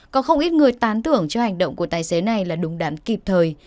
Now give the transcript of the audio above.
có không ít người tán tưởng cho hành động của tài xế này là đúng đắn kịp thời